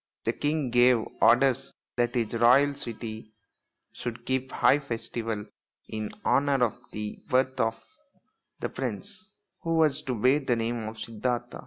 The king gave orders that his royal city should keep high festival in honour of the birth of the prince, who was to bear the name of Siddartha.